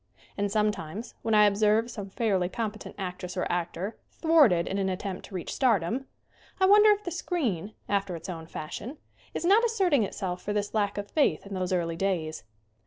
And sometimes, when I observe some fairly competent actress or actor thwarted in an at tempt to reach stardom, I wonder if the screen, after its own fashion, is not asserting itself for this lack of faith in those early days.